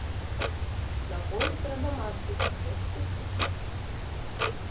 Нагою трэба мацаць, дзе ступіць.